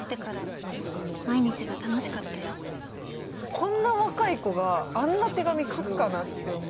こんな若い子があんな手紙書くかなって思って。